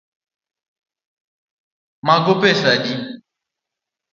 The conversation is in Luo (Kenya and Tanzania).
Mago pesa adi?